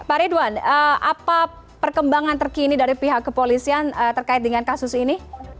pak ridwan apa perkembangan terkini dari pihak kepolisian terkait dengan kasus ini